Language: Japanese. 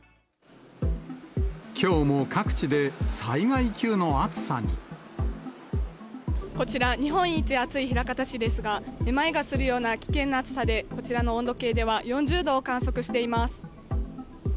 きょうも各地で災害級の暑さこちら、日本一暑い枚方市ですが、めまいがするような危険な暑さで、こちらの温度計では４０度を観測しています。